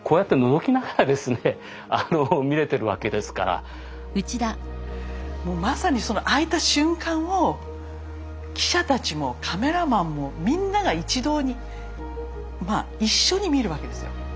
それがもうもうまさにその開いた瞬間を記者たちもカメラマンもみんなが一同に一緒に見るわけですよ。